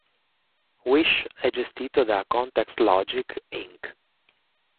Wish è gestito da ContextLogic Inc.